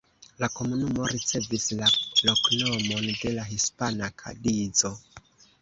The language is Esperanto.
La komunumo ricevis la loknomon de la hispana Kadizo.